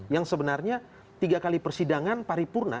yang sebenarnya tiga kali persidangan paripurna